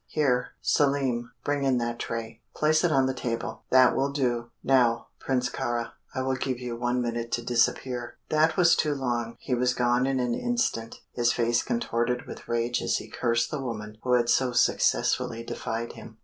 Here, Selim, bring in that tray. Place it on the table; that will do. Now, Prince Kāra, I will give you one minute to disappear." That was too long; he was gone in an instant, his face contorted with rage as he cursed the woman who had so successfully defied him.